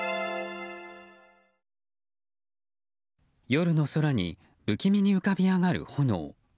夜の空に不気味に浮かび上がる炎。